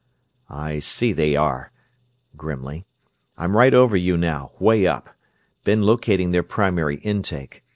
"I see they are," grimly. "I'm right over you now, 'way up. Been locating their primary intake.